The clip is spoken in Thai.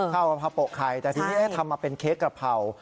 ข้าวกะเพราโปะไข่แต่ทีนี้ทำมาเป็นเค้กกระเพรา